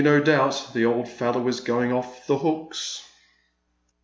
no doubt the old fellow is going off the hooks."